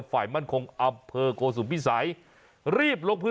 แบบนี้คือแบบนี้คือแบบนี้คือแบบนี้คือ